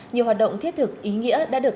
nhiều hoạt động thiết thực ý nghĩa đã được